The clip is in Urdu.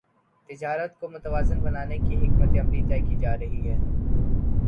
تجارت کو متوازن بنانے کی حکمت عملی طے کی جارہی ہے